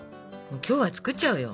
今日は作っちゃおうよ。